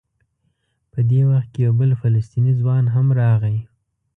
په دې وخت کې یو بل فلسطینی ځوان هم راغی.